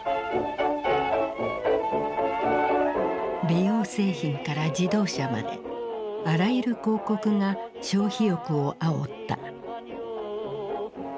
美容製品から自動車まであらゆる広告が消費欲をあおった。